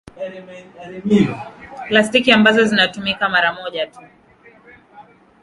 Plastiki ambazo zinatumika mara moja tu